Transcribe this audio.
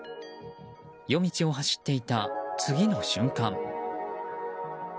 夜道を走っていた次の瞬間。